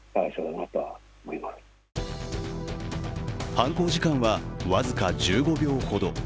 犯行時間は僅か１５秒ほど。